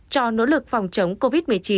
cho nỗ lực phòng chống covid một mươi chín